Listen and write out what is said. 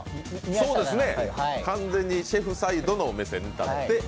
そうですね、シェフサイドの目線に立ってて。